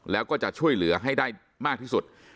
แล้วก็จะช่วยเหลือให้ได้มากที่สุด